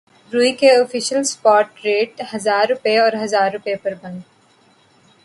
روئی کے official spot rates ہزار روپے اور ہزار روپے پر بند